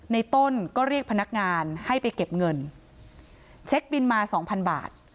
ในต้นก็เรียกพนักงานให้ไปเก็บเงินเช็คบินมาสองพันบาท